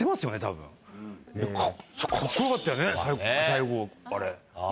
最後あれ。